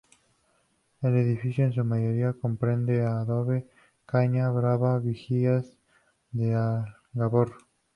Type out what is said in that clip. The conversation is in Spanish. El edificio, en su mayoría, comprende de adobe, caña brava y vigas de algarrobo.